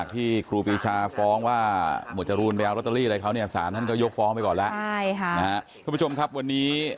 ทุกผู้ชมครับวันนี้